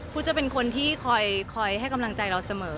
จะเป็นคนที่คอยให้กำลังใจเราเสมอ